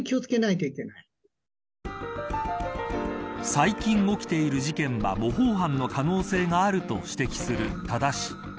最近起きている事件は模倣犯の可能性があると指摘する多田氏。